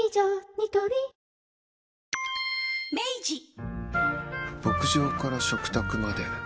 ニトリ牧場から食卓まで。